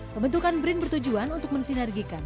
pembentukan brin bertujuan untuk mensinergikan